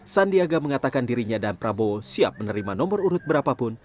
sandiaga mengatakan dirinya dan prabowo siap menerima nomor urut berapapun